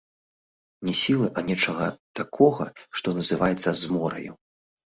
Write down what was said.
Не сілы, а нечага такога, што называецца змораю.